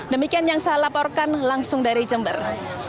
demikian yang saya laporkan langsung dari jember